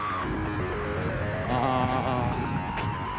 ああ。